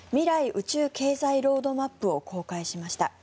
宇宙経済ロードマップを公開しました。